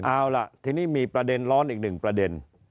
เอาล่ะทีนี้มีประเด็นร้อนอีกหนึ่งประเด็น